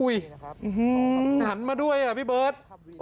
อุ้ยหันมาด้วยหรอกครับพี่เบิศ